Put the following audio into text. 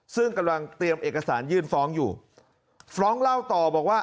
ซึ่งกำลังเตรียมเอกสารยื่นฟ้องอยู่ฟ้องร้องเล่าต่อบอกว่า